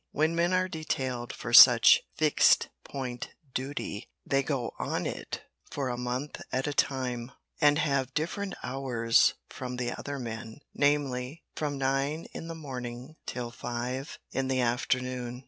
When men are detailed for such "Fixed Point" duty they go on it for a month at a time, and have different hours from the other men, namely, from nine in the morning till five in the afternoon.